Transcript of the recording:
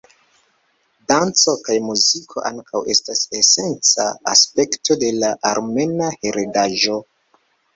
Danco kaj muziko ankaŭ estas esenca aspekto de la Armena Heredaĵo.